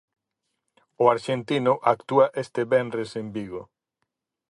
O arxentino actúa este venres en Vigo.